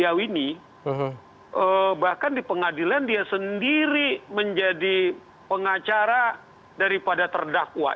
diawini bahkan di pengadilan dia sendiri menjadi pengacara daripada terdakwa